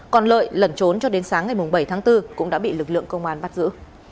còn lợi lẩn trốn cho đến sáng ngày bảy tháng bốn cũng đã bị lực lượng công an bắt giữ